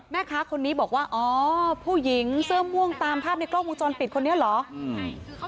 แม่ค้าคนนี้บอกว่าอ๋อผู้หญิงเสื้อม่วงตามภาพในกล้องวงจรปิดคนนี้เหรอ